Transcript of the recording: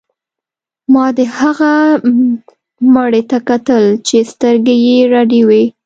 ما د هغه مړي ته کتل چې سترګې یې رډې وې